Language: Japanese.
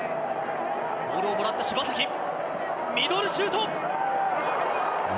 ボールをもらった柴崎ミドルシュート！